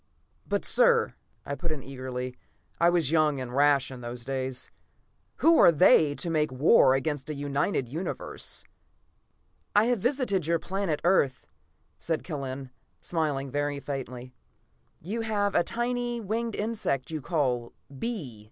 "But, sir!" I put in eagerly. I was young and rash in those days. "Who are they, to make war against a united Universe?" "I have visited your planet, Earth," said Kellen, smiling very faintly. "You have a tiny winged insect you call bee.